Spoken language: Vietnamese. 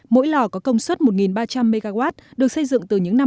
mỗi lò có công suất một ba trăm linh mw được xây dựng từ những năm một nghìn chín trăm tám mươi